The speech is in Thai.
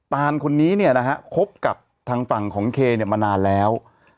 ตานคนนี้เนี่ยนะฮะคบกับทางฝั่งของเคมานานแล้ว